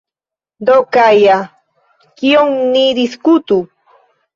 Do Kaja, kion ni diskutu?